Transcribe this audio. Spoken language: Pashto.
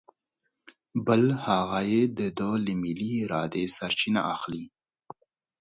بل هغه یې د ده له ملې ارادې سرچینه اخلي.